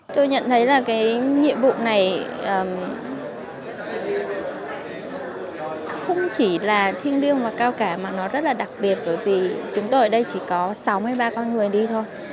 tôi nhận thấy là cái nhiệm vụ này không chỉ là thiêng liêng mà cao cả mà nó rất là đặc biệt bởi vì chúng tôi ở đây chỉ có sáu mươi ba con người đi thôi